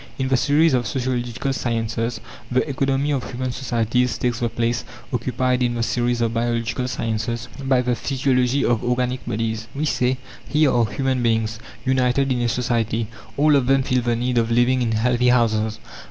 In the series of sociological sciences, the economy of human societies takes the place, occupied in the series of biological sciences by the physiology of organic bodies. We say, here are human beings, united in a society. All of them feel the need of living in healthy houses.